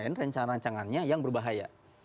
yang merancang rancangannya yang berbahaya